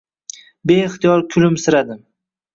Beihtiyor kulimsiradim